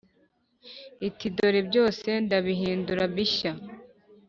iti “Dore byose ndabihindura bishya.”